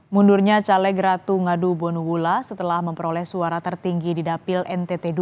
mundurnya caleg ratu ngadu bonuhula setelah memperoleh suara tertinggi di dapil ntt dua